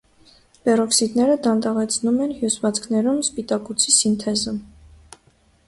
Պերօքսիդները դանդաղեցնում են հյուսվածքում սպիտակուցի սինթեզը։